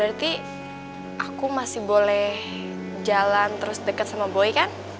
berarti aku masih boleh jalan terus deket sama boy kan